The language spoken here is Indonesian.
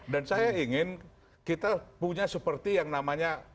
dan saya ingin kita punya seperti yang namanya